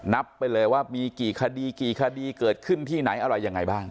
นับไปเลยว่ามีกี่คดีกี่คดีเกิดขึ้นที่ไหนอะไรยังไงบ้าง